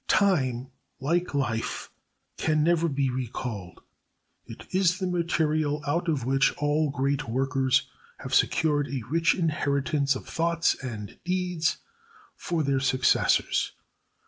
Time, like life, can never be recalled. It is the material out of which all great workers have secured a rich inheritance of thoughts and deeds for their successors.